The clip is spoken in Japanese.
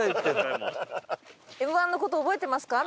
Ｍ−１の事覚えてますか？